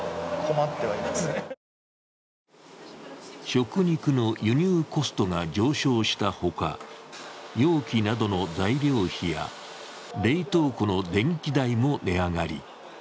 食肉の輸入コストが上昇したほか、容器などの材料費や冷凍庫の電気代も値上がり。